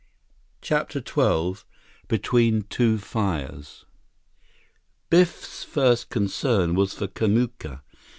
CHAPTER XII Between Two Fires Biff's first concern was for Kamuka.